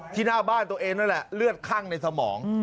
หน้าบ้านตัวเองนั่นแหละเลือดคั่งในสมอง